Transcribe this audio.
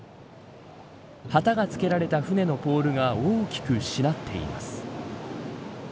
旗がつけられた船のポールが大きくしなっています。